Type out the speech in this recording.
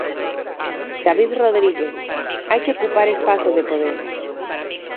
David Rodríguez: "Hai que ocupar espazo de poder".